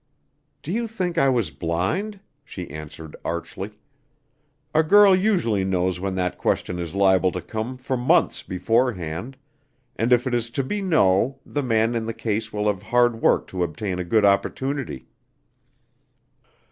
"Do you think I was blind?" she answered archly. "A girl usually knows when that question is liable to come for months beforehand, and if it is to be 'no' the man in the case will have hard work to obtain a good opportunity."